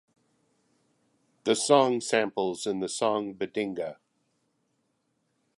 The song samples in the song BaDinGa!